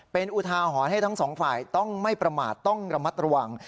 เป็นอุทาหรณ์ให้ทั้งสองฝ่ายต้องไม่ประมาทต้องระมัดระวัง